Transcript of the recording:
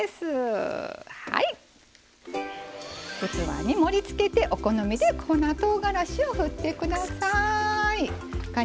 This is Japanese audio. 器に盛りつけてお好みで粉とうがらしを振ってください。